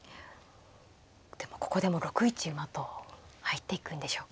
でもここでも６一馬と入っていくんでしょうか。